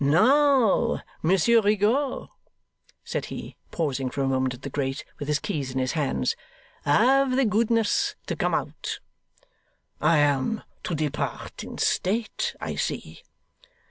'Now, Monsieur Rigaud,' said he, pausing for a moment at the grate, with his keys in his hands, 'have the goodness to come out.' 'I am to depart in state, I see?